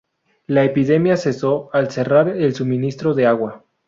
La epidemia cesó al cerrar el suministro de agua.